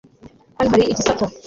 Hano hari igisato